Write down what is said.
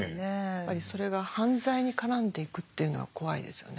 やっぱりそれが犯罪に絡んでいくというのが怖いですよね。